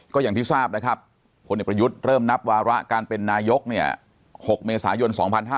ก็อย่างที่ทราบนะครับพลเอกประยุทธ์เริ่มนับวาระการเป็นนายก๖เมษายน๒๕๕๙